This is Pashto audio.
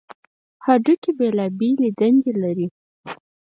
هډوکي بېلابېلې دندې لري.